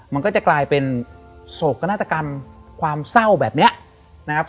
มันก็จะกลายเป็นโศกนาฏกรรมความเศร้าแบบนี้นะครับ